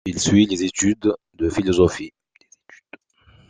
Il suit des études de philosophie.